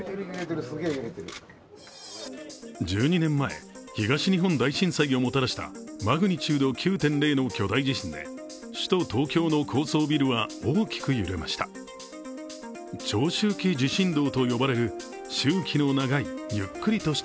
１２年前、東日本大震災をもたらしたマグニチュード９．０の巨大地震で首都東京の高層ビルは大きく揺れました。